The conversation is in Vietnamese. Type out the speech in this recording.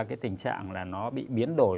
cái tình trạng là nó bị biến đổi